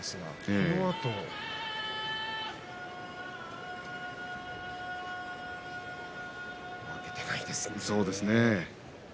このあとも負けていないですね。